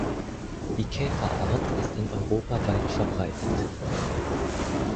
Die Käferart ist in Europa weit verbreitet.